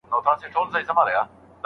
هغه تجارت چې له جاپان سره و زیانمن شو.